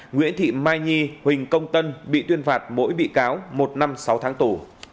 nguyễn thị mai nhi huỳnh công tân bị tuyên phạt mỗi bị cáo một năm sáu tháng tù